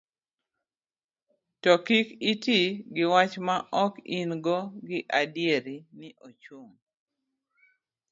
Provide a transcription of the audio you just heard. to kik iti gi wach ma ok in go gi adiera ni ochung